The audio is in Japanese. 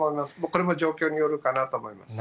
これも状況によるかなと思います。